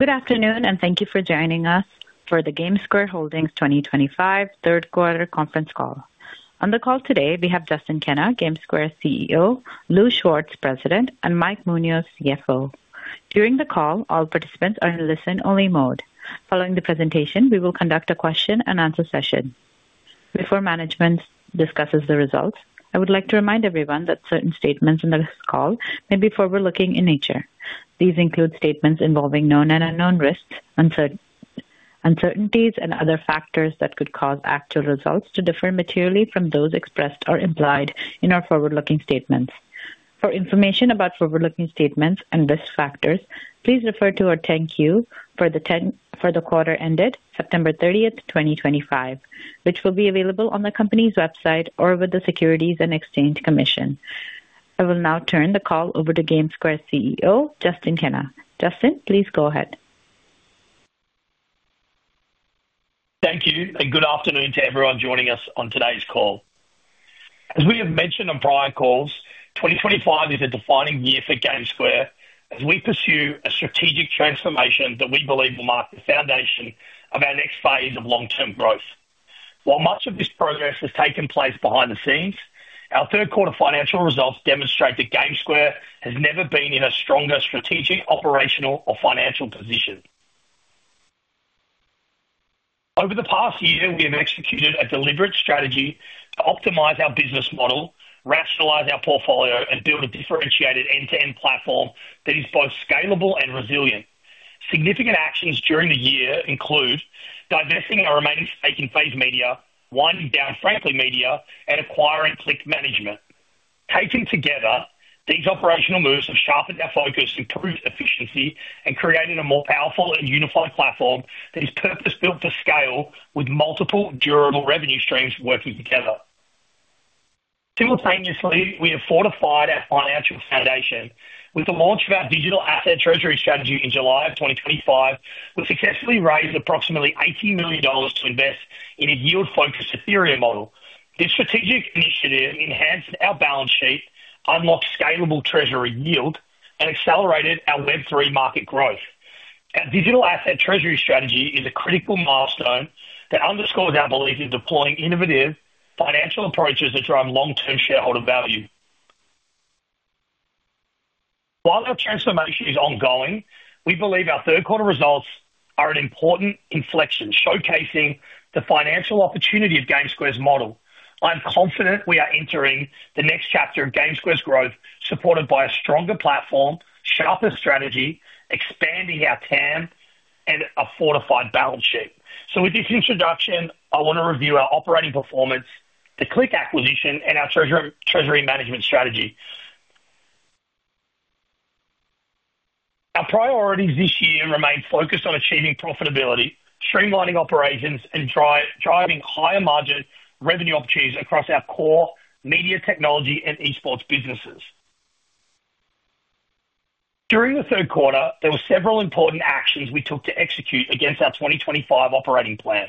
Good afternoon, and thank you for joining us for the GameSquare Holdings 2025 third quarter conference call. On the call today, we have Justin Kenna, GameSquare CEO, Louis Schwartz, President, and Mike Munoz, CFO. During the call, all participants are in listen-only mode. Following the presentation, we will conduct a question-and-answer session. Before management discusses the results, I would like to remind everyone that certain statements in this call may be forward-looking in nature. These include statements involving known and unknown risks, uncertainties, and other factors that could cause actual results to differ materially from those expressed or implied in our forward-looking statements. For information about forward-looking statements and risk factors, please refer to our 10-Q for the quarter ended September 30, 2025, which will be available on the company's website or with the Securities and Exchange Commission. I will now turn the call over to GameSquare CEO, Justin Kenna. Justin, please go ahead. Thank you, and good afternoon to everyone joining us on today's call. As we have mentioned on prior calls, 2025 is a defining year for GameSquare as we pursue a strategic transformation that we believe will mark the foundation of our next phase of long-term growth. While much of this progress has taken place behind the scenes, our third-quarter financial results demonstrate that GameSquare has never been in a stronger strategic, operational, or financial position. Over the past year, we have executed a deliberate strategy to optimize our business model, rationalize our portfolio, and build a differentiated end-to-end platform that is both scalable and resilient. Significant actions during the year include divesting our remaining stake in Phase Plan Esports, winding down Frankly Media, and acquiring Click Management. Taken together, these operational moves have sharpened our focus, improved efficiency, and created a more powerful and unified platform that is purpose-built to scale with multiple durable revenue streams working together. Simultaneously, we have fortified our financial foundation. With the launch of our Digital Asset Treasury strategy in July of 2025, we successfully raised approximately $80 million to invest in a yield-focused Ethereum model. This strategic initiative enhanced our balance sheet, unlocked scalable treasury yield, and accelerated our Web3 market growth. Our Digital Asset Treasury strategy is a critical milestone that underscores our belief in deploying innovative financial approaches that drive long-term shareholder value. While our transformation is ongoing, we believe our third-quarter results are an important inflection showcasing the financial opportunity of GameSquare's model. I'm confident we are entering the next chapter of GameSquare's growth, supported by a stronger platform, sharper strategy, expanding our TAM, and a fortified balance sheet. So, with this introduction, I want to review our operating performance, the Click acquisition, and our treasury management strategy. Our priorities this year remain focused on achieving profitability, streamlining operations, and driving higher margin revenue opportunities across our core media technology and esports businesses. During the third quarter, there were several important actions we took to execute against our 2025 operating plan.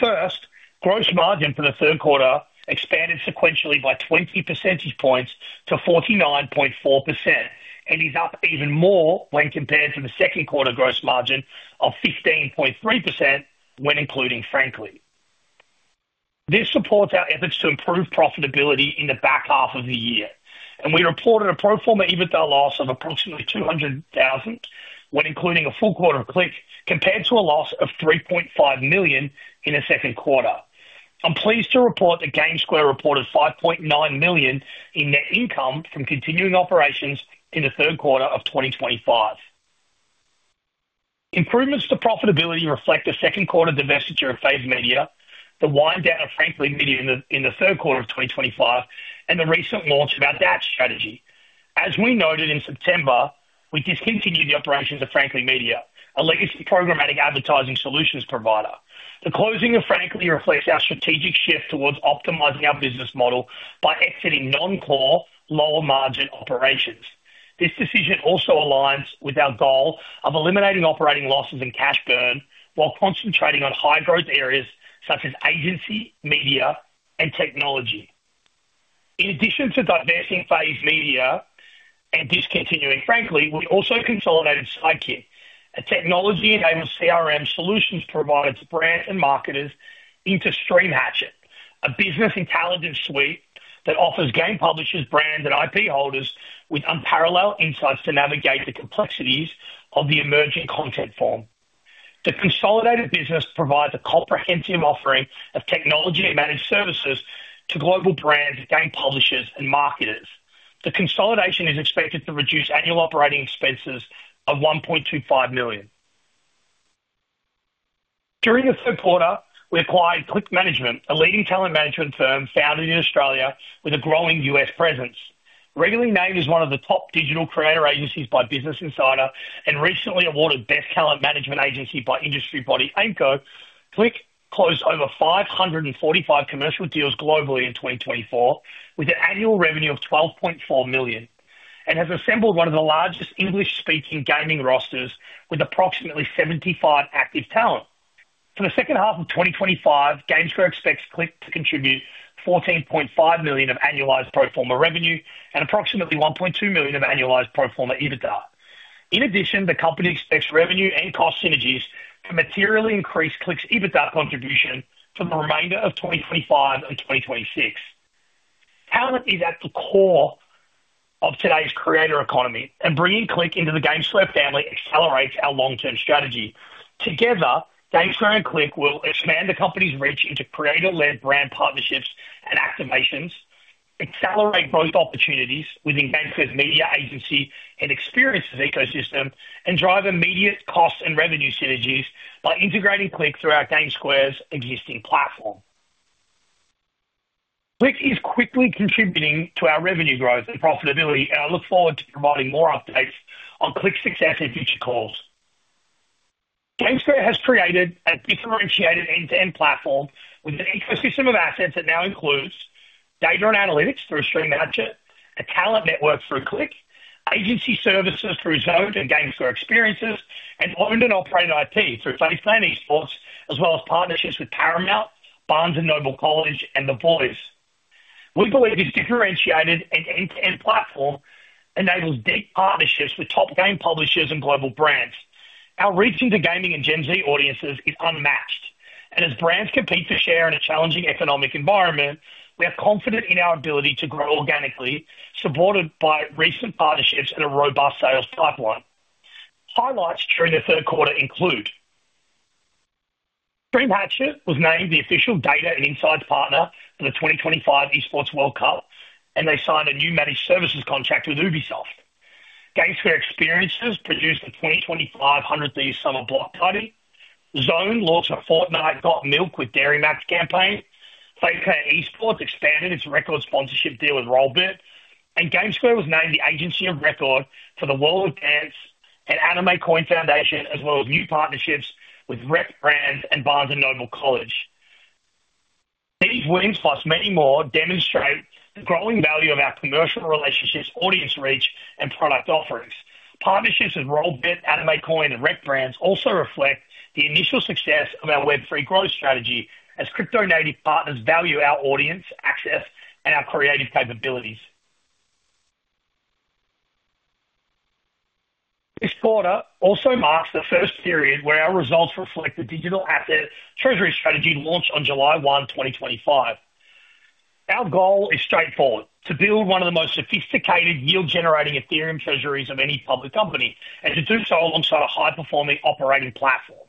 First, gross margin for the third quarter expanded sequentially by 20 percentage points to 49.4% and is up even more when compared to the second quarter gross margin of 15.3% when including Frankly. This supports our efforts to improve profitability in the back half of the year, and we reported a pro forma EBITDA loss of approximately $200,000 when including a full quarter of Click compared to a loss of $3.5 million in the second quarter. I'm pleased to report that GameSquare reported $5.9 million in net income from continuing operations in the third quarter of 2025. Improvements to profitability reflect the second quarter divestiture of FaZe Media, the wind-down of Frankly Media in the third quarter of 2025, and the recent launch of our DAT strategy. As we noted in September, we discontinued the operations of Frankly Media, a legacy programmatic advertising solutions provider. The closing of Frankly reflects our strategic shift towards optimizing our business model by exiting non-core, lower-margin operations. This decision also aligns with our goal of eliminating operating losses and cash burn while concentrating on high-growth areas such as agency, media, and technology. In addition to divesting Phase Plan Esports and discontinuing Frankly Media, we also consolidated Sidekick, a technology-enabled CRM solutions provider to brands and marketers into StreamHatchet, a business intelligence suite that offers game publishers, brands, and IP holders with unparalleled insights to navigate the complexities of the emerging content form. The consolidated business provides a comprehensive offering of technology and managed services to global brands, game publishers, and marketers. The consolidation is expected to reduce annual operating expenses of $1.25 million. During the third quarter, we acquired Click Management, a leading talent management firm founded in Australia with a growing U.S. presence. Regularly named as one of the top digital creator agencies by Business Insider and recently awarded Best Talent Management Agency by industry body AIMCO, Click closed over 545 commercial deals globally in 2024 with an annual revenue of $12.4 million and has assembled one of the largest English-speaking gaming rosters with approximately 75 active talent. For the second half of 2025, GameSquare expects Click to contribute $14.5 million of annualized pro forma revenue and approximately $1.2 million of annualized pro forma EBITDA. In addition, the company expects revenue and cost synergies to materially increase Click's EBITDA contribution for the remainder of 2025 and 2026. Talent is at the core of today's creator economy, and bringing Click into the GameSquare family accelerates our long-term strategy. Together, GameSquare and Click will expand the company's reach into creator-led brand partnerships and activations, accelerate growth opportunities within GameSquare's media agency and experiences ecosystem, and drive immediate cost and revenue synergies by integrating Click through our GameSquare's existing platform. Click is quickly contributing to our revenue growth and profitability, and I look forward to providing more updates on Click's success in future calls. GameSquare has created a differentiated end-to-end platform with an ecosystem of assets that now includes data and analytics through StreamHatchet, a talent network through Click, agency services through Zone and GameSquare Experiences, and owned and operated IP through Phase Plan Esports, as well as partnerships with Paramount, Barnes & Noble College, and The Voice. We believe this differentiated and end-to-end platform enables deep partnerships with top game publishers and global brands. Our reach into gaming and Gen Z audiences is unmatched, and as brands compete for share in a challenging economic environment, we are confident in our ability to grow organically, supported by recent partnerships and a robust sales pipeline. Highlights during the third quarter include: StreamHatchet was named the official data and insights partner for the 2025 Esports World Cup, and they signed a new managed services contract with Ubisoft. GameSquare Experiences produced the 2025 100th Summer Block Party. Zone launched a Fortnite got milk with DairyMax campaign. Phase Plan Esports expanded its record sponsorship deal with Rollbit, and GameSquare was named the agency of record for the World of Dance and Anime Coin Foundation, as well as new partnerships with Rep Brands and Barnes & Noble College. These wins, plus many more, demonstrate the growing value of our commercial relationships, audience reach, and product offerings. Partnerships with Rollbit, Anime Coin, and Rep Brands also reflect the initial success of our Web3 growth strategy as crypto-native partners value our audience access and our creative capabilities. This quarter also marks the first period where our results reflect the digital asset treasury strategy launched on July 1, 2025. Our goal is straightforward: to build one of the most sophisticated yield-generating Ethereum treasuries of any public company, and to do so alongside a high-performing operating platform.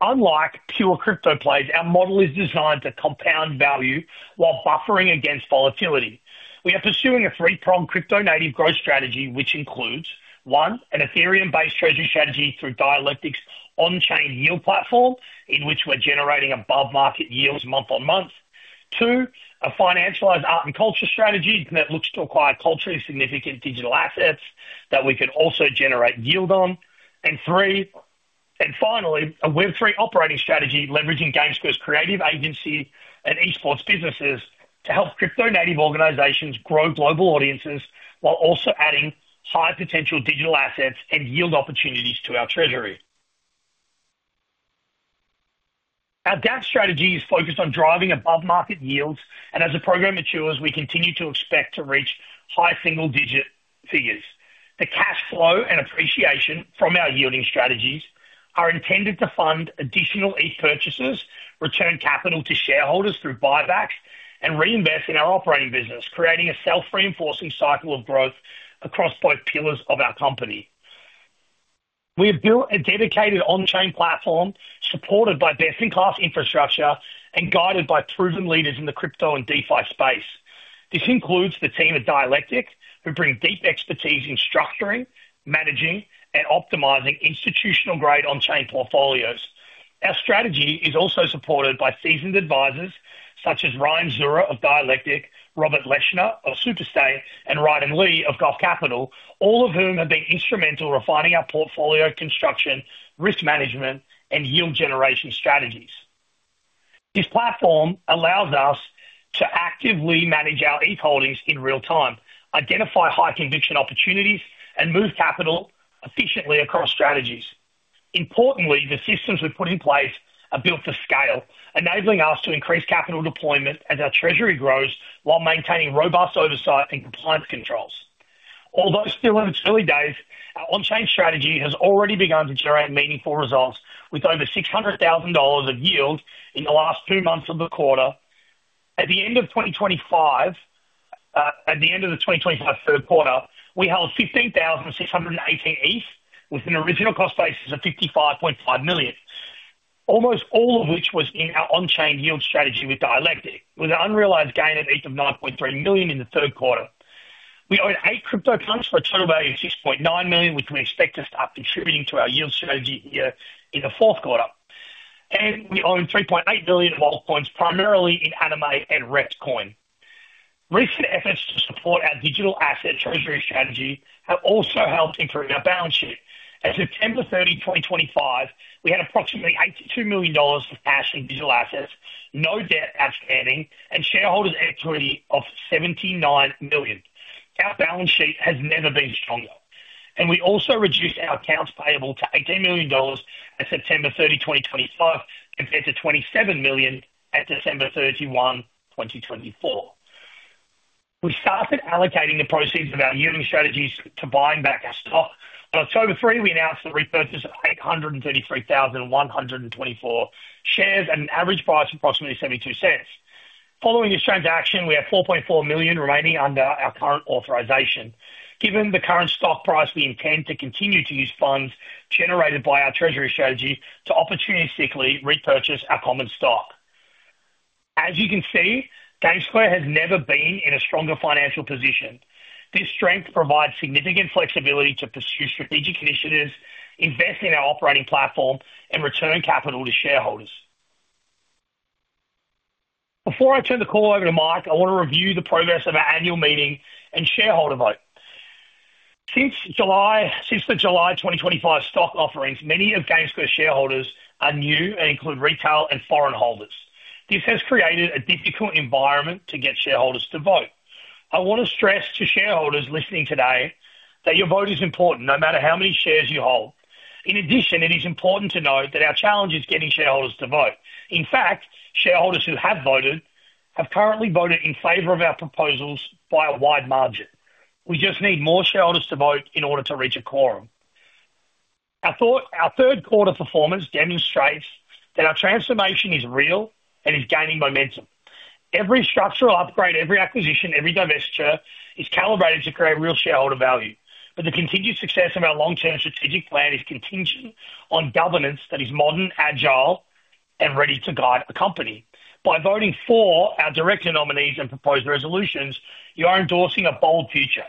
Unlike pure crypto plays, our model is designed to compound value while buffering against volatility. We are pursuing a three-pronged crypto-native growth strategy, which includes: one, an Ethereum-based treasury strategy through Dialectic's on-chain yield platform, in which we're generating above-market yields month on month; two, a financialized art and culture strategy that looks to acquire culturally significant digital assets that we can also generate yield on; and finally, a Web3 operating strategy leveraging GameSquare's creative agency and esports businesses to help crypto-native organizations grow global audiences while also adding high-potential digital assets and yield opportunities to our treasury. Our DAT strategy is focused on driving above-market yields, and as the program matures, we continue to expect to reach high single-digit figures. The cash flow and appreciation from our yielding strategies are intended to fund additional e-purchases, return capital to shareholders through buybacks, and reinvest in our operating business, creating a self-reinforcing cycle of growth across both pillars of our company. We have built a dedicated on-chain platform supported by best-in-class infrastructure and guided by proven leaders in the crypto and DeFi space. This includes the team at Dialectic, who bring deep expertise in structuring, managing, and optimizing institutional-grade on-chain portfolios. Our strategy is also supported by seasoned advisors such as Ryan Zura of Dialectic, Robert Leshner of SuperStay, and Ryan Lee of Gulf Capital, all of whom have been instrumental in refining our portfolio construction, risk management, and yield generation strategies. This platform allows us to actively manage our ease holdings in real time, identify high-conviction opportunities, and move capital efficiently across strategies. Importantly, the systems we put in place are built for scale, enabling us to increase capital deployment as our treasury grows while maintaining robust oversight and compliance controls. Although still in its early days, our on-chain strategy has already begun to generate meaningful results with over $600,000 of yield in the last two months of the quarter. At the end of 2025, at the end of the 2025 third quarter, we held 15,618 ETH with an original cost basis of $55.5 million, almost all of which was in our on-chain yield strategy with Dialectic, with an unrealized gain of $9.3 million in the third quarter. We owned eight crypto coins for a total value of $6.9 million, which we expect to start contributing to our yield strategy here in the fourth quarter. And we owned $3.8 million of altcoins, primarily in Anime and RepsCoin. Recent efforts to support our digital asset treasury strategy have also helped improve our balance sheet. As of September 30, 2025, we had approximately $82 million of cash and digital assets, no debt outstanding, and shareholders' equity of $79 million. Our balance sheet has never been stronger, and we also reduced our accounts payable to $18 million at September 30, 2025, compared to $27 million at December 31, 2024. We started allocating the proceeds of our yielding strategies to buying back our stock. On October 3, we announced the repurchase of 833,124 shares at an average price of approximately $0.72. Following this transaction, we have $4.4 million remaining under our current authorization. Given the current stock price, we intend to continue to use funds generated by our treasury strategy to opportunistically repurchase our common stock. As you can see, GameSquare has never been in a stronger financial position. This strength provides significant flexibility to pursue strategic initiatives, invest in our operating platform, and return capital to shareholders. Before I turn the call over to Mike, I want to review the progress of our annual meeting and shareholder vote. Since the July 2025 stock offerings, many of GameSquare's shareholders are new and include retail and foreign holders. This has created a difficult environment to get shareholders to vote. I want to stress to shareholders listening today that your vote is important, no matter how many shares you hold. In addition, it is important to note that our challenge is getting shareholders to vote. In fact, shareholders who have voted have currently voted in favor of our proposals by a wide margin. We just need more shareholders to vote in order to reach a quorum. Our third quarter performance demonstrates that our transformation is real and is gaining momentum. Every structural upgrade, every acquisition, every divestiture is calibrated to create real shareholder value. But the continued success of our long-term strategic plan is contingent on governance that is modern, agile, and ready to guide a company. By voting for our director nominees and proposed resolutions, you are endorsing a bold future.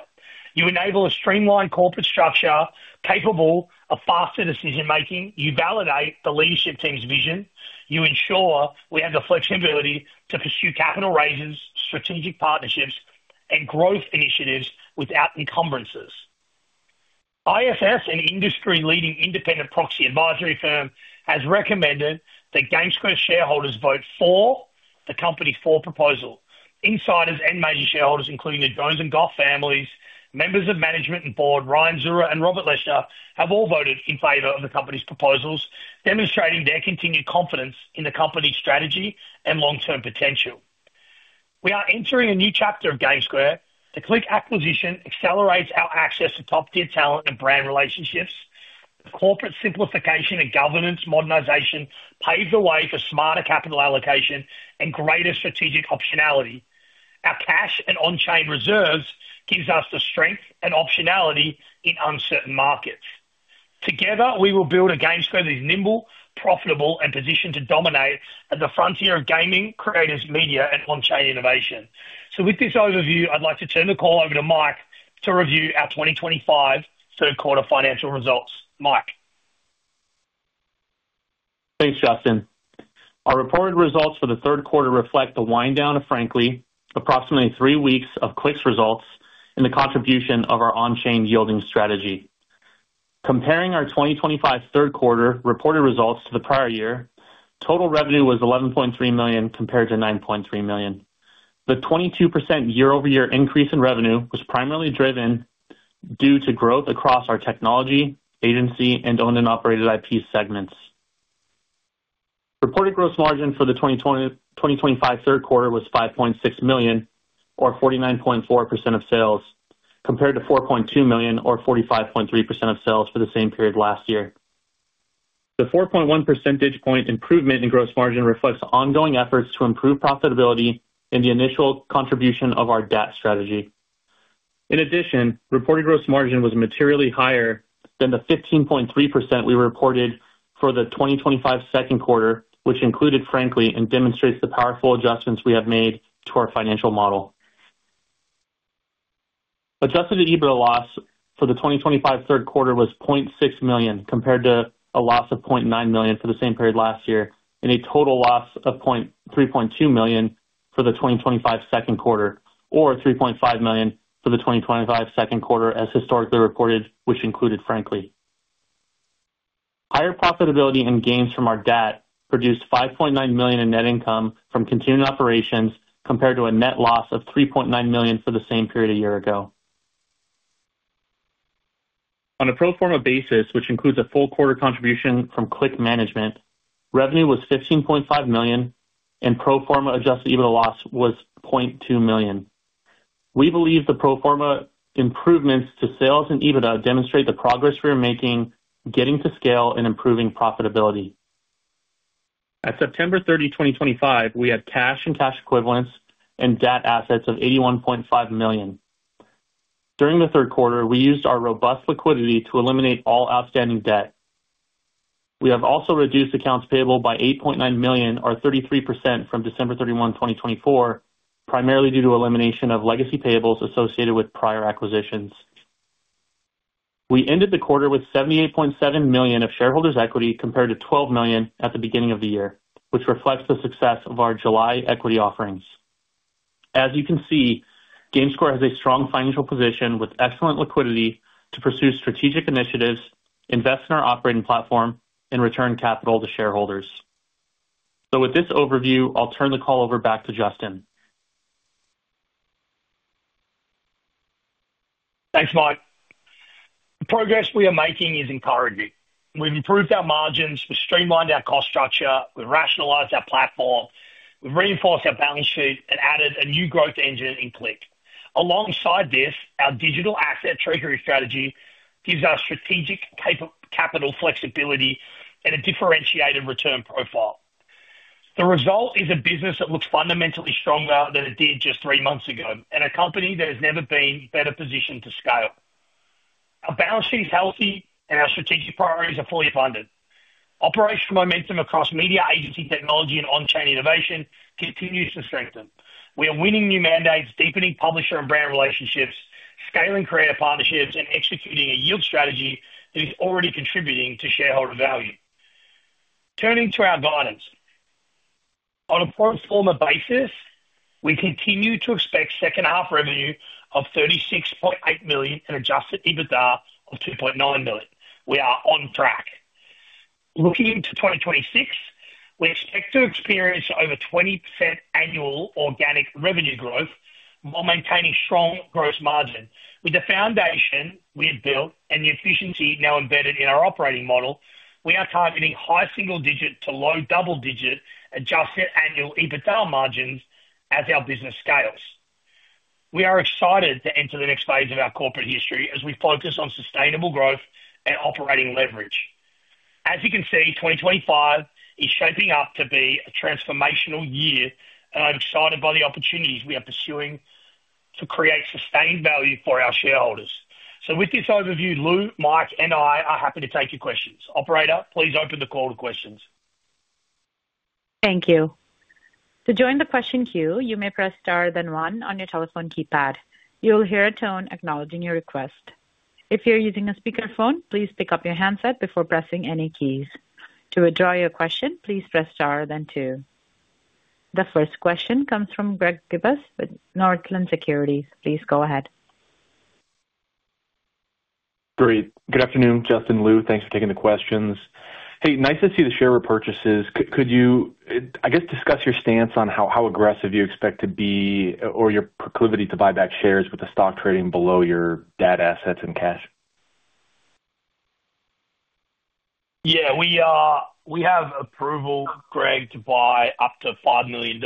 You enable a streamlined corporate structure capable of faster decision-making. You validate the leadership team's vision. You ensure we have the flexibility to pursue capital raises, strategic partnerships, and growth initiatives without encumbrances. IFS, an industry-leading independent proxy advisory firm, has recommended that GameSquare's shareholders vote for the company's proposal. Insiders and major shareholders, including the Jones and Goff families, members of management and board, Ryan Zura and Robert Leshner, have all voted in favor of the company's proposals, demonstrating their continued confidence in the company's strategy and long-term potential. We are entering a new chapter of GameSquare. The Click acquisition accelerates our access to top-tier talent and brand relationships. Corporate simplification and governance modernization paves the way for smarter capital allocation and greater strategic optionality. Our cash and on-chain reserves give us the strength and optionality in uncertain markets. Together, we will build a GameSquare that is nimble, profitable, and positioned to dominate at the frontier of gaming, creators, media, and on-chain innovation. So with this overview, I'd like to turn the call over to Mike to review our 2025 third quarter financial results. Mike. Thanks, Justin. Our reported results for the third quarter reflect the wind down of Frankly, approximately three weeks of Click's results, and the contribution of our on-chain yielding strategy. Comparing our 2025 third quarter reported results to the prior year, total revenue was $11.3 million compared to $9.3 million. The 22% year-over-year increase in revenue was primarily driven due to growth across our technology, agency, and owned and operated IP segments. Reported gross margin for the 2025 third quarter was $5.6 million, or 49.4% of sales, compared to $4.2 million, or 45.3% of sales, for the same period last year. The 4.1 percentage point improvement in gross margin reflects ongoing efforts to improve profitability and the initial contribution of our DAT strategy. In addition, reported gross margin was materially higher than the 15.3% we reported for the 2025 second quarter, which included Frankly and demonstrates the powerful adjustments we have made to our financial model. Adjusted EBITDA loss for the 2025 third quarter was $0.6 million, compared to a loss of $0.9 million for the same period last year, and a total loss of $3.2 million for the 2025 second quarter, or $3.5 million for the 2025 second quarter, as historically reported, which included Frankly. Higher profitability and gains from our DAT produced $5.9 million in net income from continuing operations, compared to a net loss of $3.9 million for the same period a year ago. On a pro forma basis, which includes a full quarter contribution from Click management, revenue was $15.5 million, and pro forma Adjusted EBITDA loss was $0.2 million. We believe the pro forma improvements to sales and EBITDA demonstrate the progress we are making getting to scale and improving profitability. At September 30, 2025, we had cash and cash equivalents and DAT assets of $81.5 million. During the third quarter, we used our robust liquidity to eliminate all outstanding debt. We have also reduced accounts payable by $8.9 million, or 33% from December 31, 2024, primarily due to elimination of legacy payables associated with prior acquisitions. We ended the quarter with $78.7 million of shareholders' equity, compared to $12 million at the beginning of the year, which reflects the success of our July equity offerings. As you can see, GameSquare has a strong financial position with excellent liquidity to pursue strategic initiatives, invest in our operating platform, and return capital to shareholders. So with this overview, I'll turn the call over back to Justin. Thanks, Mike. The progress we are making is encouraging. We've improved our margins. We've streamlined our cost structure. We've rationalized our platform. We've reinforced our balance sheet and added a new growth engine in Click. Alongside this, our digital asset treasury strategy gives us strategic capital flexibility and a differentiated return profile. The result is a business that looks fundamentally stronger than it did just three months ago, and a company that has never been better positioned to scale. Our balance sheet is healthy, and our strategic priorities are fully abundant. Operational momentum across media, agency, technology, and on-chain innovation continues to strengthen. We are winning new mandates, deepening publisher and brand relationships, scaling creator partnerships, and executing a yield strategy that is already contributing to shareholder value. Turning to our guidance. On a pro forma basis, we continue to expect second-half revenue of $36.8 million and Adjusted EBITDA of $2.9 million. We are on track. Looking into 2026, we expect to experience over 20% annual organic revenue growth while maintaining strong gross margin. With the foundation we have built and the efficiency now embedded in our operating model, we are targeting high single-digit to low double-digit adjusted annual EBITDA margins as our business scales. We are excited to enter the next phase of our corporate history as we focus on sustainable growth and operating leverage. As you can see, 2025 is shaping up to be a transformational year, and I'm excited by the opportunities we are pursuing to create sustained value for our shareholders. So with this overview, Lou, Mike, and I are happy to take your questions. Operator, please open the call to questions. Thank you. To join the question queue, you may press star then one on your telephone keypad. You'll hear a tone acknowledging your request. If you're using a speakerphone, please pick up your handset before pressing any keys. To withdraw your question, please press star then two. The first question comes from Greg Gibbs with Northland Securities. Please go ahead. Great. Good afternoon, Justin and Lou. Thanks for taking the questions. Hey, nice to see the shareware purchases. Could you, I guess, discuss your stance on how aggressive you expect to be or your proclivity to buy back shares with the stock trading below your DAT assets and cash? Yeah, we have approval, Greg, to buy up to $5 million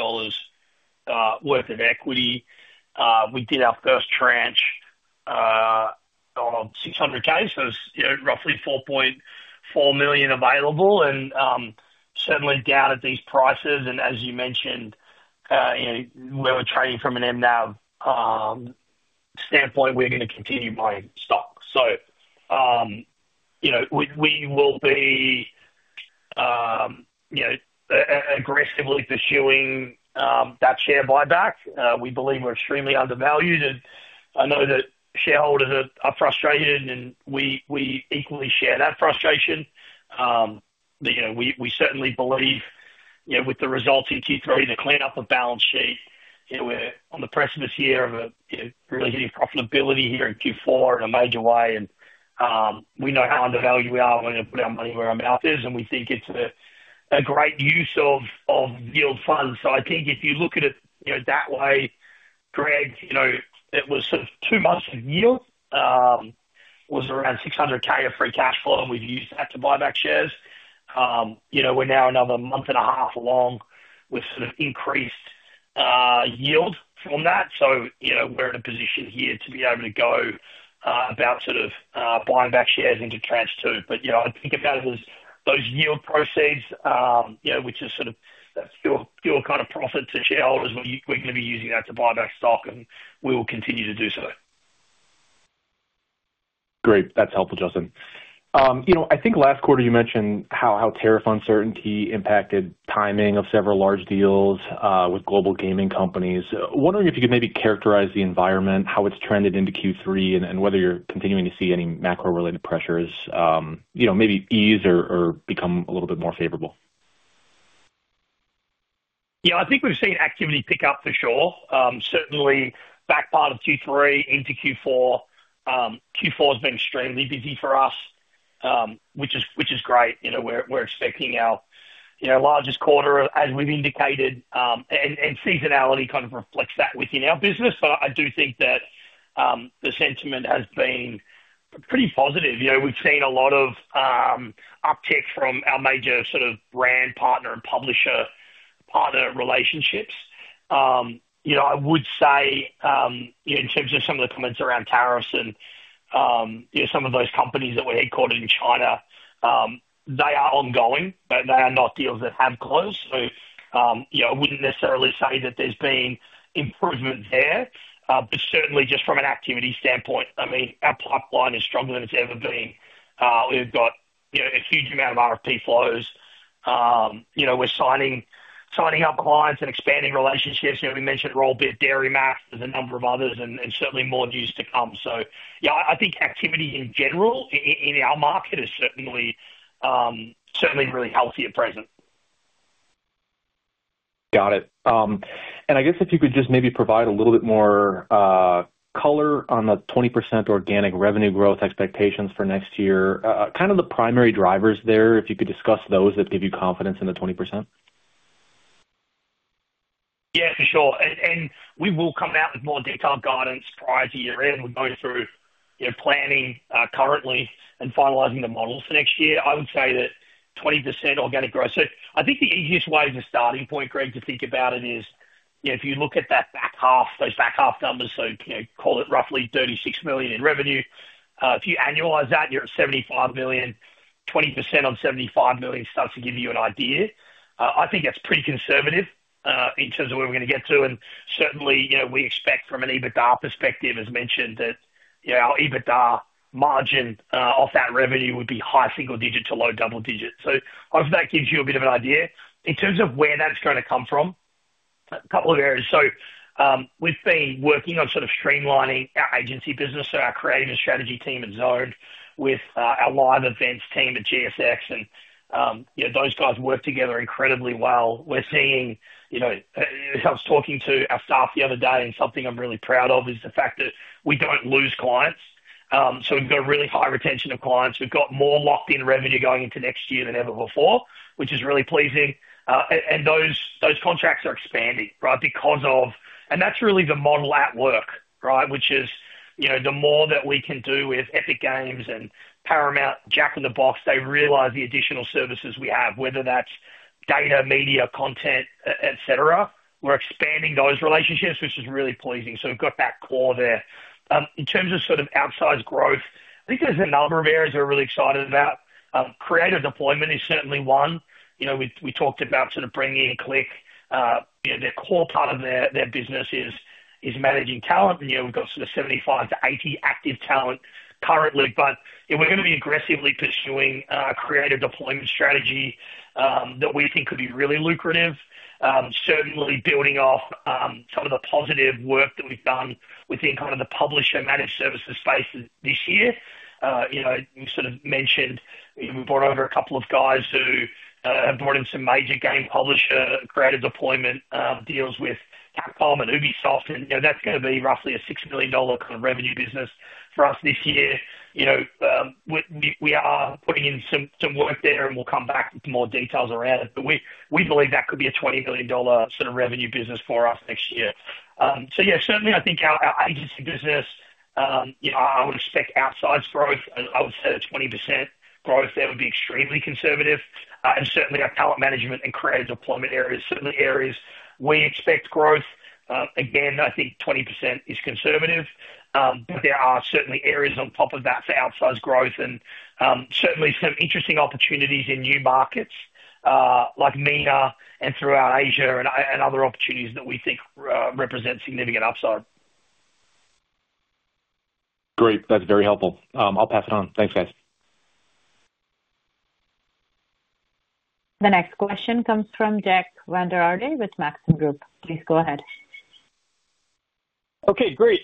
worth of equity. We did our first tranche of 600 cases, roughly $4.4 million available, and certainly down at these prices. And as you mentioned, when we're trading from an MNAV standpoint, we're going to continue buying stock. So we will be aggressively pursuing that share buyback. We believe we're extremely undervalued. And I know that shareholders are frustrated, and we equally share that frustration. We certainly believe with the results in Q3, the cleanup of balance sheet, we're on the precipice here of really getting profitability here in Q4 in a major way. And we know how undervalued we are. We're going to put our money where our mouth is, and we think it's a great use of yield funds. So I think if you look at it that way, Greg, it was sort of two months of yield, was around $600K of free cash flow, and we've used that to buy back shares. We're now another month and a half along with sort of increased yield from that. So we're in a position here to be able to go about sort of buying back shares into tranche two. But I think about it as those yield proceeds, which is sort of that fuel kind of profit to shareholders, we're going to be using that to buy back stock, and we will continue to do so. Great. That's helpful, Justin. I think last quarter you mentioned how tariff uncertainty impacted timing of several large deals with global gaming companies. Wondering if you could maybe characterize the environment, how it's trended into Q3, and whether you're continuing to see any macro-related pressures, maybe ease or become a little bit more favorable. Yeah, I think we've seen activity pick up for sure. Certainly back part of Q3 into Q4. Q4 has been extremely busy for us, which is great. We're expecting our largest quarter, as we've indicated, and seasonality kind of reflects that within our business. But I do think that the sentiment has been pretty positive. We've seen a lot of uptick from our major sort of brand partner and publisher partner relationships. I would say in terms of some of the comments around tariffs and some of those companies that were headquartered in China, they are ongoing. They are not deals that have closed. So I wouldn't necessarily say that there's been improvement there, but certainly just from an activity standpoint, I mean, our pipeline is stronger than it's ever been. We've got a huge amount of RFP flows. We're signing up clients and expanding relationships. We mentioned Royal Beard DairyMax. There's a number of others and certainly more news to come. So yeah, I think activity in general in our market is certainly really healthy at present. Got it. And I guess if you could just maybe provide a little bit more color on the 20% organic revenue growth expectations for next year, kind of the primary drivers there, if you could discuss those that give you confidence in the 20%. Yeah, for sure. And we will come out with more detailed guidance prior to year-end. We'll go through planning currently and finalizing the models for next year. I would say that 20% organic growth. So I think the easiest way as a starting point, Greg, to think about it is if you look at those back half numbers, so call it roughly $36 million in revenue. If you annualize that, you're at $75 million. 20% on $75 million starts to give you an idea. I think that's pretty conservative in terms of where we're going to get to. And certainly, we expect from an EBITDA perspective, as mentioned, that our EBITDA margin off that revenue would be high single digit to low double digit. So I hope that gives you a bit of an idea. In terms of where that's going to come from, a couple of areas. So we've been working on sort of streamlining our agency business, so our creative and strategy team at Zone with our live events team at GSX. And those guys work together incredibly well. We're seeing it helps talking to our staff the other day. And something I'm really proud of is the fact that we don't lose clients. So we've got a really high retention of clients. We've got more locked-in revenue going into next year than ever before, which is really pleasing. And those contracts are expanding, right, because of and that's really the model at work, right, which is the more that we can do with Epic Games and Paramount, Jack in the Box, they realize the additional services we have, whether that's data, media, content, etc. We're expanding those relationships, which is really pleasing. So we've got that core there. In terms of sort of outsized growth, I think there's a number of areas we're really excited about. Creative deployment is certainly one. We talked about sort of bringing in Click. The core part of their business is managing talent. And we've got sort of 75 to 80 active talent currently. But we're going to be aggressively pursuing a creative deployment strategy that we think could be really lucrative. Certainly building off some of the positive work that we've done within kind of the publisher managed services space this year. You sort of mentioned we brought over a couple of guys who have brought in some major game publisher creative deployment deals with Capcom and Ubisoft. And that's going to be roughly a $6 million kind of revenue business for us this year. We are putting in some work there, and we'll come back with more details around it. But we believe that could be a $20 million sort of revenue business for us next year. So yeah, certainly, I think our agency business, I would expect outsized growth. I would say a 20% growth there would be extremely conservative. And certainly, our talent management and creative deployment areas are certainly areas we expect growth. Again, I think 20% is conservative. But there are certainly areas on top of that for outsized growth and certainly some interesting opportunities in new markets like MENA and throughout Asia and other opportunities that we think represent significant upside. Great. That's very helpful. I'll pass it on. Thanks, guys. The next question comes from Jack Vander Aarde with Maxim Group. Please go ahead. Okay, great.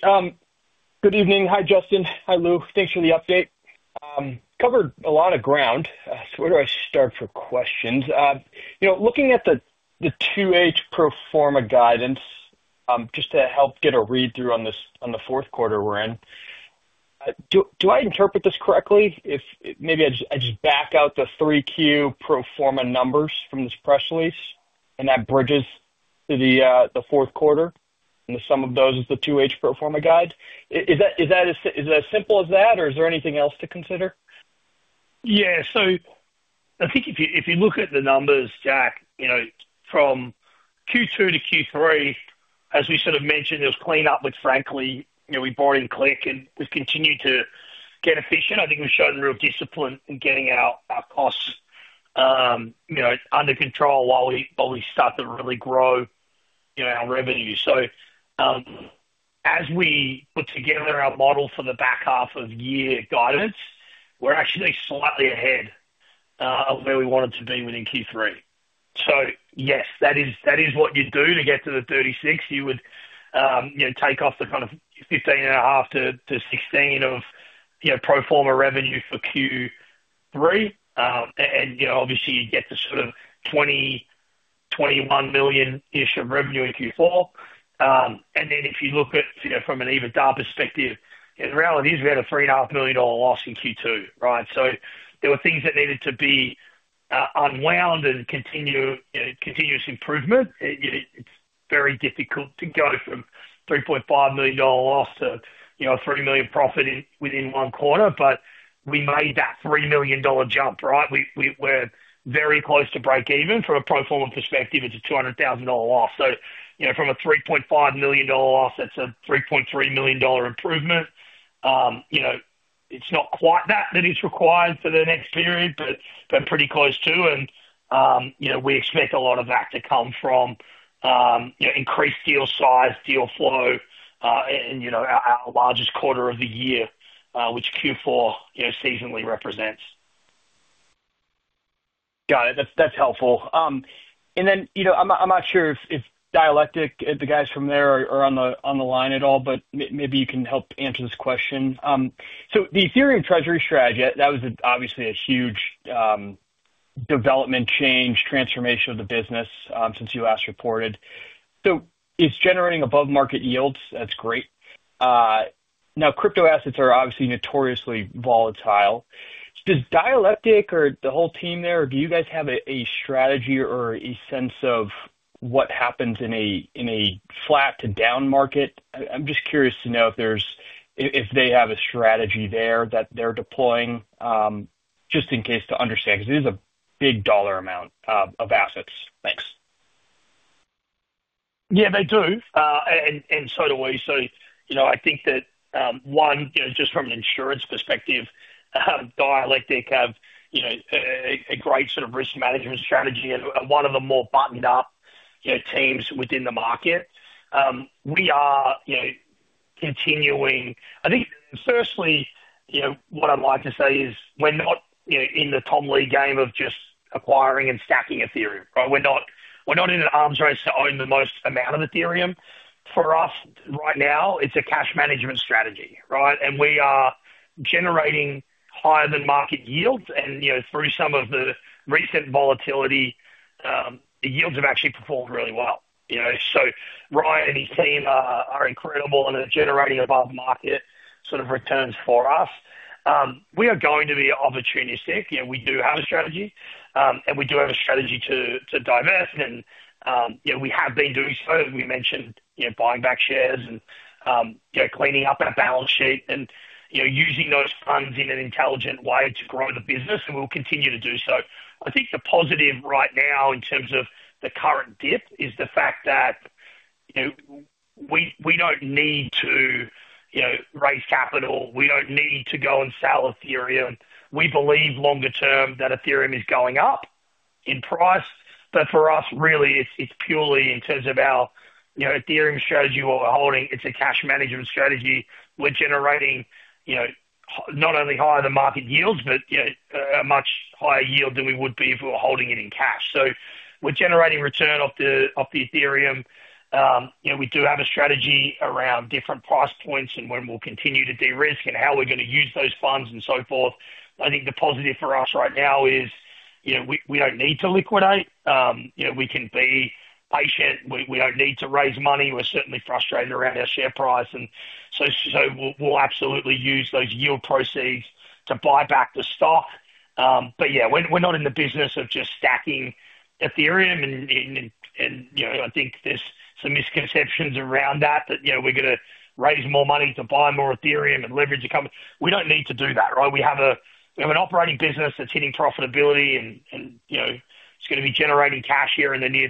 Good evening. Hi, Justin. Hi, Lou. Thanks for the update. Covered a lot of ground. So where do I start for questions? Looking at the 2H pro forma guidance, just to help get a read-through on the fourth quarter we're in, do I interpret this correctly if maybe I just back out the three Q pro forma numbers from this press release and that bridges to the fourth quarter? And the sum of those is the 2H pro forma guide. Is that as simple as that, or is there anything else to consider? Yeah. So I think if you look at the numbers, Jack, from Q2 to Q3, as we sort of mentioned, it was clean up with Frankly. We brought in Click and we've continued to get efficient. I think we've shown real discipline in getting our costs under control while we start to really grow our revenue. So as we put together our model for the back half of year guidance, we're actually slightly ahead of where we wanted to be within Q3. So yes, that is what you do to get to the 36. You would take off the kind of 15 and a half to 16 of pro forma revenue for Q3. And obviously, you get to sort of 20, 21 million-ish of revenue in Q4. And then if you look at from an EBITDA perspective, the reality is we had a $3.5 million loss in Q2, right? So there were things that needed to be unwound and continuous improvement. It's very difficult to go from $3.5 million loss to $3 million profit within one quarter. But we made that $3 million jump, right? We're very close to break-even from a pro forma perspective. It's a $200,000 loss. So from a $3.5 million loss, that's a $3.3 million improvement. It's not quite that that is required for the next period, but pretty close to. And we expect a lot of that to come from increased deal size, deal flow, and our largest quarter of the year, which Q4 seasonally represents. Got it. That's helpful. And then I'm not sure if Dialectic, the guys from there, are on the line at all, but maybe you can help answer this question. So the Ethereum treasury strategy, that was obviously a huge development change, transformation of the business since you last reported. So it's generating above-market yields. That's great. Now, crypto assets are obviously notoriously volatile. Does Dialectic or the whole team there, do you guys have a strategy or a sense of what happens in a flat to down market? I'm just curious to know if they have a strategy there that they're deploying just in case to understand, because it is a big dollar amount of assets. Thanks. Yeah, they do. And so do we. So I think that, one, just from an insurance perspective, Dialectic have a great sort of risk management strategy and one of the more buttoned-up teams within the market. We are continuing. I think, firstly, what I'd like to say is we're not in the Tom Lee game of just acquiring and stacking Ethereum, right? We're not in an arms race to own the most amount of Ethereum. For us right now, it's a cash management strategy, right? And we are generating higher-than-market yields. And through some of the recent volatility, the yields have actually performed really well. So Ryan and his team are incredible and are generating above-market sort of returns for us. We are going to be opportunistic. We do have a strategy, and we do have a strategy to divest. And we have been doing so. We mentioned buying back shares and cleaning up our balance sheet and using those funds in an intelligent way to grow the business. And we'll continue to do so. I think the positive right now in terms of the current dip is the fact that we don't need to raise capital. We don't need to go and sell Ethereum. We believe longer term that Ethereum is going up in price. But for us, really, it's purely in terms of our Ethereum strategy while we're holding. It's a cash management strategy. We're generating not only higher-than-market yields, but a much higher yield than we would be if we were holding it in cash. So we're generating return off the Ethereum. We do have a strategy around different price points and when we'll continue to de-risk and how we're going to use those funds and so forth. I think the positive for us right now is we don't need to liquidate. We can be patient. We don't need to raise money. We're certainly frustrated around our share price. And so we'll absolutely use those yield proceeds to buy back the stock. But yeah, we're not in the business of just stacking Ethereum. And I think there's some misconceptions around that, that we're going to raise more money to buy more Ethereum and leverage a company. We don't need to do that, right? We have an operating business that's hitting profitability, and it's going to be generating cash here in the near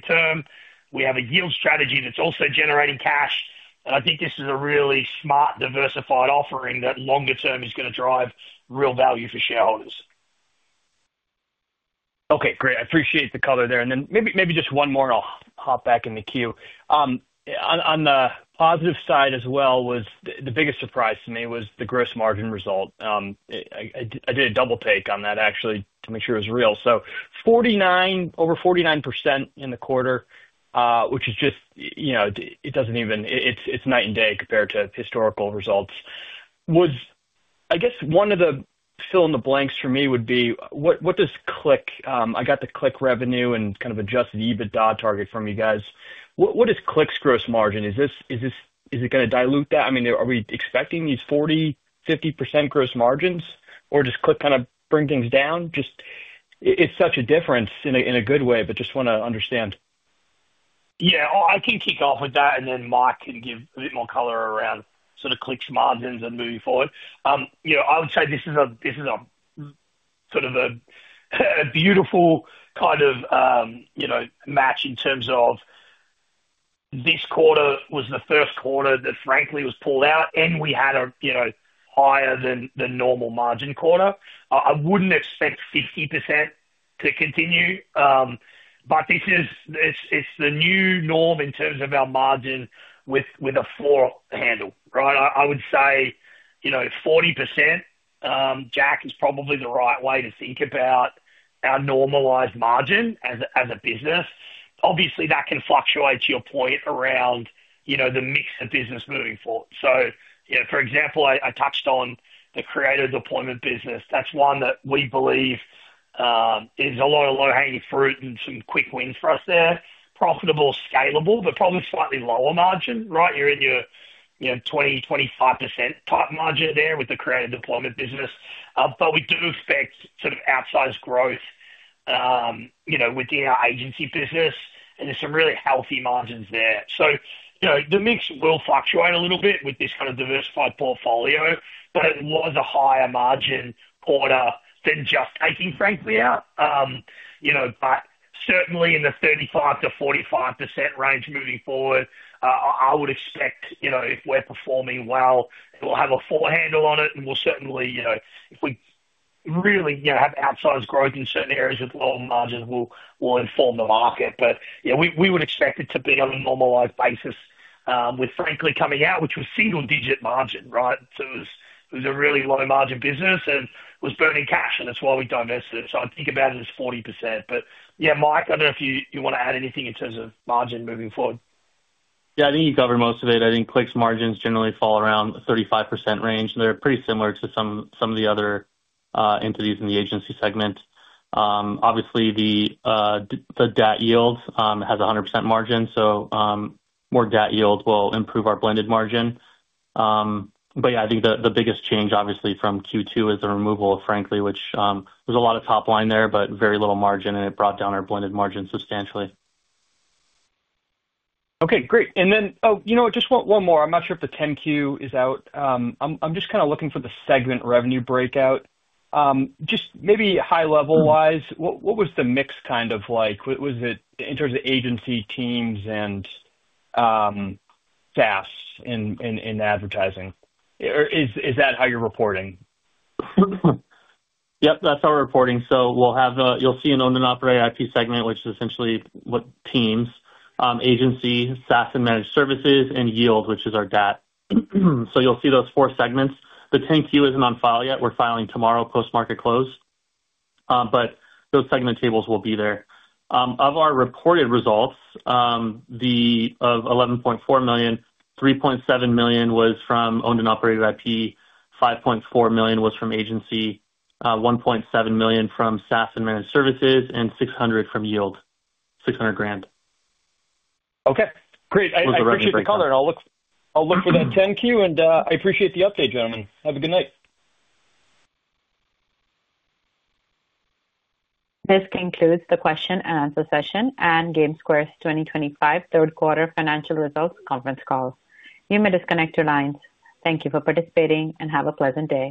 term. We have a yield strategy that's also generating cash. And I think this is a really smart, diversified offering that longer term is going to drive real value for shareholders. Okay, great. I appreciate the color there. And then maybe just one more, and I'll hop back in the queue. On the positive side as well, the biggest surprise to me was the gross margin result. I did a double take on that, actually, to make sure it was real. So over 49% in the quarter, which is just it doesn't even it's night and day compared to historical results. I guess one of the fill-in-the-blanks for me would be, what does Click I got the Click revenue and kind of Adjusted EBITDA target from you guys. What is Click's gross margin? Is it going to dilute that? I mean, are we expecting these 40, 50 percent gross margins, or does Click kind of bring things down? It's such a difference in a good way, but just want to understand. Yeah. I can kick off with that, and then Mike can give a bit more color around sort of Click's margins and moving forward. I would say this is a sort of a beautiful kind of match in terms of this quarter was the first quarter that, frankly, was pulled out, and we had a higher-than-normal margin quarter. I wouldn't expect 50% to continue, but it's the new norm in terms of our margin with a floor handle, right? I would say 40%, Jack, is probably the right way to think about our normalized margin as a business. Obviously, that can fluctuate, to your point, around the mix of business moving forward. So, for example, I touched on the creative deployment business. That's one that we believe is a lot of low-hanging fruit and some quick wins for us there. Profitable, scalable, but probably slightly lower margin, right? You're in your 20, 25 percent type margin there with the creative deployment business. But we do expect sort of outsized growth within our agency business, and there's some really healthy margins there. So the mix will fluctuate a little bit with this kind of diversified portfolio, but it was a higher margin quarter than just taking, frankly, out. But certainly, in the 35 to 45 percent range moving forward, I would expect if we're performing well, we'll have a floor handle on it. And we'll certainly, if we really have outsized growth in certain areas with lower margins, we'll inform the market. But we would expect it to be on a normalized basis with Frankly coming out, which was single-digit margin, right? So it was a really low-margin business and was burning cash, and that's why we divested. So I think about it as 40%. But yeah, Mike, I don't know if you want to add anything in terms of margin moving forward. Yeah, I think you covered most of it. I think Click's margins generally fall around the 35% range, and they're pretty similar to some of the other entities in the agency segment. Obviously, the DAT yield has a 100% margin. So more DAT yield will improve our blended margin. But yeah, I think the biggest change, obviously, from Q2 is the removal of Frankly, which there was a lot of top line there, but very little margin, and it brought down our blended margin substantially. Okay, great. And then, oh, just one more. I'm not sure if the 10-Q is out. I'm just kind of looking for the segment revenue breakout. Just maybe high-level-wise, what was the mix kind of like? Was it in terms of agency teams and SaaS and advertising? Is that how you're reporting? Yep, that's how we're reporting. So you'll see an own-and-operated IP segment, which is essentially what teams, agency, SaaS and managed services, and yield, which is our DAT. So you'll see those four segments. The 10-Q isn't on file yet. We're filing tomorrow post-market close. But those segment tables will be there. Of our reported results, the of 11.4 million, 3.7 million was from owned-and-operated IP, 5.4 million was from agency, 1.7 million from SaaS and managed services, and 600 from yield, 600 grand. Okay. Great. I appreciate the color. And I'll look for that 10-Q, and I appreciate the update, gentlemen. Have a good night. This concludes the question and answer session and Gamesquares 2025 third quarter financial results conference call. You may disconnect your lines. Thank you for participating and have a pleasant day.